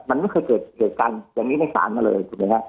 มันไม่เคยเกิดเกิดกันอย่างนี้ในสารนั่นเลยถูกไหมฮะ